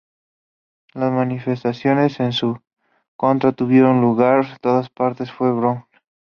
Las manifestaciones en su contra tuvieron lugar en todas partes fue Brown.